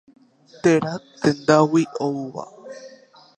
Téra tendágui oúva.